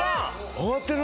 上がってる。